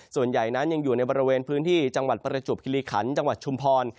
ส่วนใหญ่นั้นยังอยู่ในบริเวณพื้นที่จังหวัดประจวบคิริขันจังหวัดชุมพร